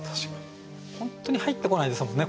本当に入ってこないですもんね。